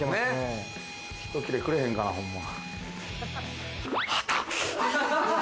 ひと切れくれへんかな、ほんま。